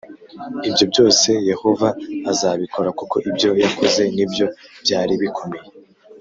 Ibyobyose yehova azabikora kuko ibyo yakoze nibyo byari bikomeye